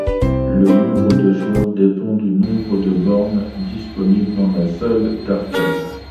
Le nombre de joueurs dépend du nombre de bornes disponible dans la salle d'arcade.